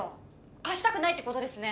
貸したくないってことですね